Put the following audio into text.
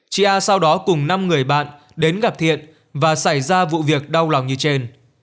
chị a sau đó cùng năm người bạn đến gặp thiện và xảy ra vụ việc đau lòng như trên